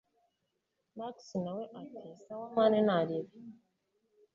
max nawe ati sawa mn ntaribi